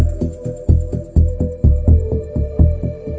อันนี้ต้องให้ทนายมาอดข้าวจากสักสี่วันอืมครับในน้ำมันต้องไม่ค่อยกินอืม